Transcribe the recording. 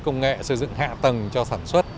công nghệ xây dựng hạ tầng cho sản xuất